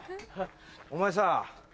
お前さ。